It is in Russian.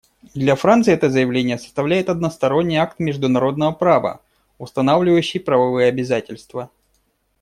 Для Франции это заявление составляет односторонний акт международного права, устанавливающий правовые обязательства.